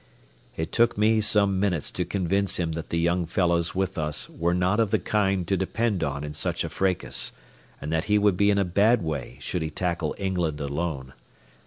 It took me some minutes to convince him that the young fellows with us were not of the kind to depend on in such a fracas, and that he would be in a bad way should he tackle England alone.